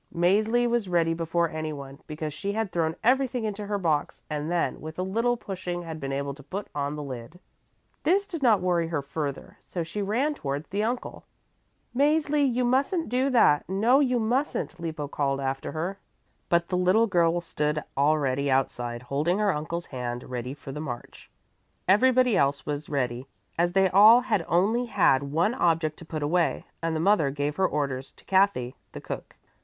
Mäzli was ready before anyone, because she had thrown everything into her box and then with a little pushing had been able to put on the lid. This did not worry her further, so she ran towards the uncle. "Mäzli, you mustn't do that; no, you mustn't," Lippo called after her. But the little girl stood already outside, holding her uncle's hand ready for the march. Everybody else was ready, as they all had only had one object to put away, and the mother gave her orders to Kathy, the cook.